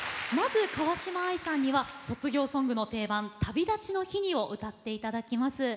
まず川嶋あいさんには卒業ソングの定番「旅立ちの日に」を歌って頂きます。